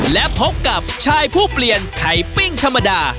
และพบกับชายผู้เปลี่ยนไข่ปิ้งธรรมดา